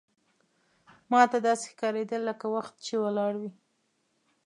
ماته داسې ښکارېدل لکه وخت چې ولاړ وي.